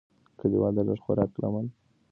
کلیوال د لږ خوراک له امله ګیلې کوي.